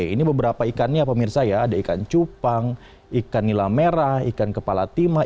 ini beberapa ikannya pemirsa ya ada ikan cupang ikan nila merah ikan kepala timah